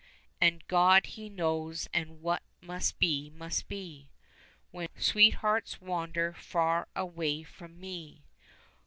And God he knows, and what must be, must be, When sweethearts wander far away from me.